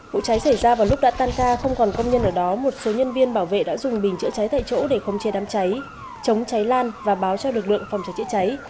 vụ cháy xảy ra vào lúc đã tan ca không còn công nhân ở đó một số nhân viên bảo vệ đã dùng bình chữa cháy tại chỗ để không chê đám cháy chống cháy lan và báo cho lực lượng phòng cháy chữa cháy